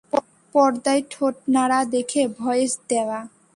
পর্দায় ঠোঁটনাড়া দেখে ভয়েস দেয়া।